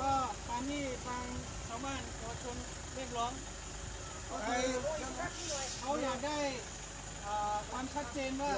ก็ตอนนี้บางชาวบ้านเขาชมเรียกร้องเขาอยากได้อ่าความชัดเจนว่า